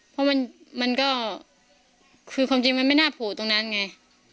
เพราะมันก็คือความจริงมันไม่น่าโผล่ตรงนั้นไง